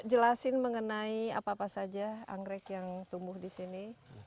jelasin mengenai apa apa saja anggrek yang tumbuh di sini